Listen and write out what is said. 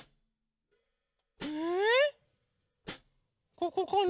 ここかな？